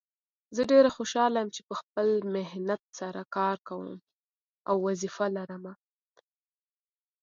ما لاس ور نږدې کړ او له افغاني دود سره مې غږ پرې وکړ: